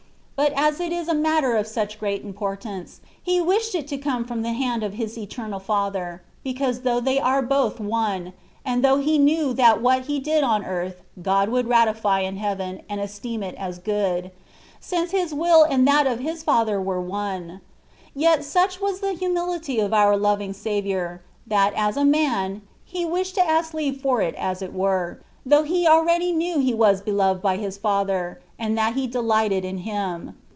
But as it is a matter of such great importance. He wished it to come from the hand of His Eternal Father, because though they are both one, and though He knew that what He did on earth, God would ratify in heaven, and esteem as good, since His will and that of His Father were one ; yet such was the humility of our loving Saviour, that (as man) He wished to ask leave as it were for it, though He already knew he was beloved bv His Father, and that He delighted in Him.